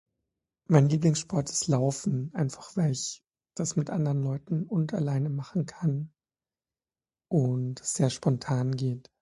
Mein Liebslings Sport ist laufen, einfach weil ich das mit anderen Leuten und alleine machen kann und sehr spontan geht.